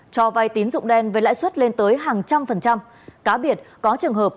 cho vai tín dụng đen với lãi suất lên tới hàng trăm phần trăm